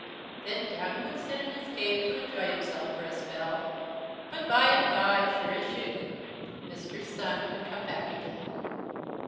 "Then down he would sit in his cave to enjoy himself for a spell, but by and by, sure as shooting, Mr. Sun would come back again.